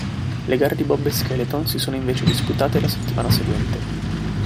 Le gare di bob e skeleton si sono invece disputate la settimana seguente.